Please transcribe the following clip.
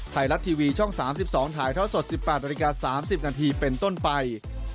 ไทยรัฐทีวีช่อง๓๒ถ่ายท่อสด๑๘นาฬิกา๓๐นาทีเป็นต้นไป